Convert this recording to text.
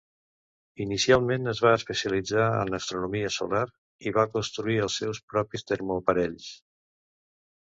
Inicialment es va especialitzar en astronomia solar i va construir els seus propis termoparells.